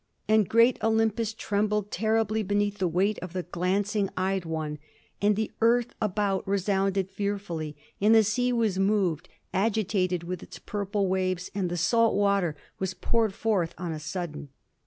And great Olympus trembled terribly beneath the weight of the glancing eyed one, and the earth about resounded fearfully, and the sea was moved, agitated with its purple waves, and the salt water was poured forth on a sudden.